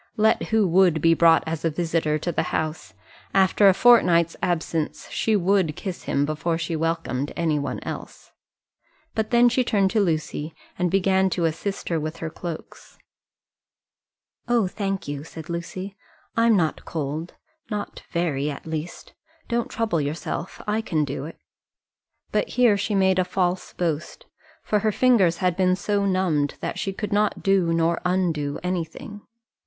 Let who would be brought as a visitor to the house, after a fortnight's absence, she would kiss him before she welcomed any one else. But then she turned to Lucy, and began to assist her with her cloaks. "Oh, thank you," said Lucy; "I'm not cold, not very at least. Don't trouble yourself: I can do it." But here she had made a false boast, for her fingers had been so numbed that she could not do nor undo anything.